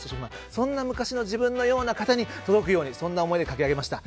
そんな昔の自分のような方に届くようにという思いで書き上げました。